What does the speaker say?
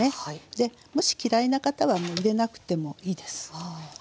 もし嫌いな方は入れなくてもいいです。